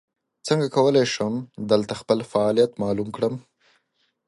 څنګه کولی شم دلته خپل فعالیت معلوم کړم ؟